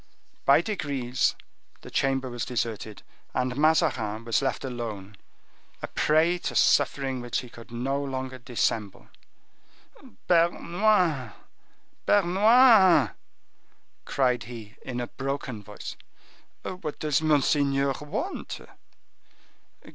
By degrees the chamber was deserted, and Mazarin was left alone, a prey to suffering which he could no longer dissemble. "Bernouin! Bernouin!" cried he in a broken voice. "What does monseigneur want?"